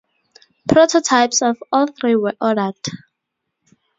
Prototypes of all three were ordered.